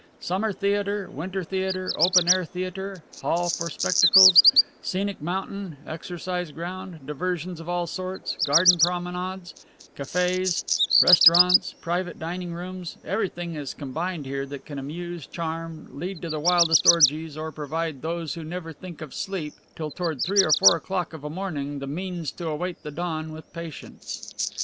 Summer theater, winter theater, open air theater, hall for spectacles, scenic mountain, exercise ground, diversions of all sorts, garden promenades, cafes, restaurants, private dining rooms, everything is combined here that can amuse, charm, lead to the wildest orgies, or provide those who never think of sleep till toward three or four o'clock of a morning the means to await the dawn with patience.